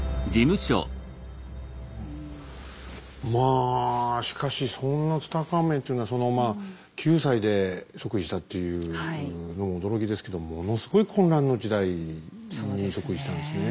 まあしかしそんなツタンカーメンっていうのはそのまあ９歳で即位したっていうのも驚きですけどもものすごい混乱の時代に即位したんですね。